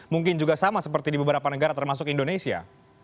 mungkin juga sama seperti di beberapa negara termasuk indonesia